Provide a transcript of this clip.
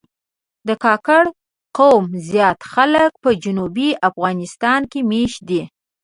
د کاکړ قوم زیات خلک په جنوبي افغانستان کې مېشت دي.